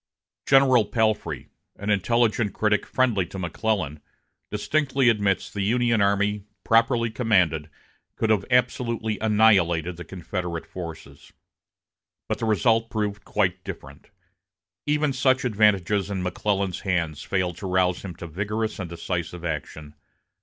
General Palfrey, an intelligent critic friendly to McClellan, distinctly admits that the Union army, properly commanded, could have absolutely annihilated the Confederate forces. But the result proved quite different. Even such advantages in McClellan's hands failed to rouse him to vigorous and decisive action.